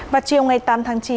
vào chiều ngày tám tháng chín